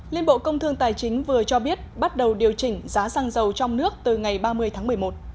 liên bộ công thương tài chính vừa cho biết bắt đầu điều chỉnh giá xăng dầu trong nước từ ngày ba mươi tháng một mươi một